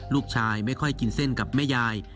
ลูกชายไม่ค่อยกินเส้นกับแม่ยาย